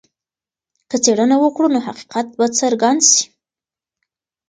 که څېړنه وکړو نو حقیقت به څرګند سي.